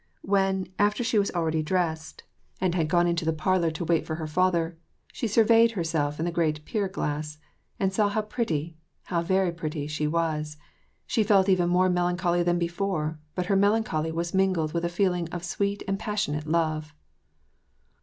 When, after she was already dressed, and had gone into the WAR AND 'PEACE. 887 parlor to wait for her father, she surveyed herself in the great pier glass, and saw how pretty, how very pretty, she was, she felt even more melancholy than before, but her melancholy was mingled with a feeling of sweet and passionate love.